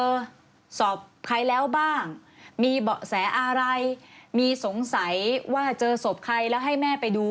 เจอศพใครแล้วบ้างมีแสอารัยมีสงสัยว่าเจอศพใครแล้วให้แม่ไปดู